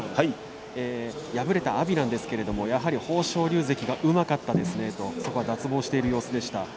敗れた阿炎ですがやはり豊昇龍関がうまかったですねと脱帽している様子でした。